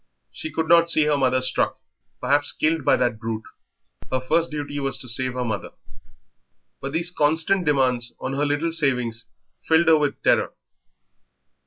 She could not see her mother struck, perhaps killed by that brute; her first duty was to save her mother, but these constant demands on her little savings filled her with terror.